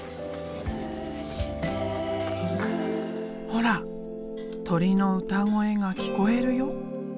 ほら鳥の歌声が聞こえるよ。